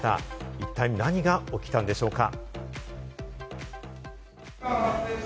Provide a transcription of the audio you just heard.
一体何が起きたんでしょうか？